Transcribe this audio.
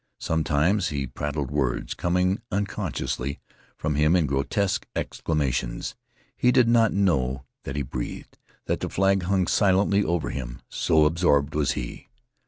Sometimes he prattled, words coming unconsciously from him in grotesque exclamations. He did not know that he breathed; that the flag hung silently over him, so absorbed was he.